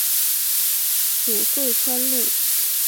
属会川路。